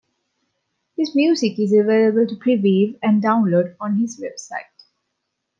His music is available to preview and download on his website.